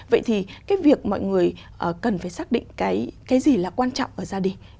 vậy thì cái việc mọi người cần phải xác định cái gì là quan trọng ở gia đình